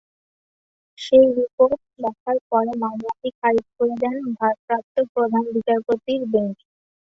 সেই রিপোর্ট দেখার পরে মামলাটি খারিজ করে দেন ভারপ্রাপ্ত প্রধান বিচারপতির বেঞ্চ।